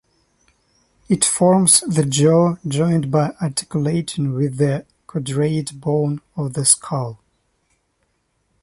It forms the jaw joint by articulating with the quadrate bone of the skull.